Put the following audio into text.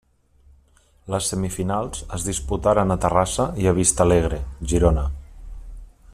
Les semifinals es disputaren a Terrassa i a Vista Alegre, Girona.